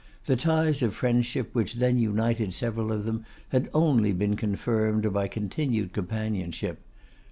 The ties of friendship which then united several of them had only been confirmed by continued companionship.